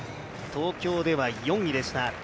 東京では４位でした。